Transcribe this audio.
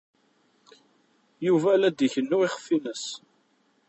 Yuba la d-ikennu iɣef-nnes.